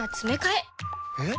えっ？